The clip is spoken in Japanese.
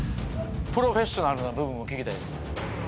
プロフェッショナルな部分も聞きたいっす。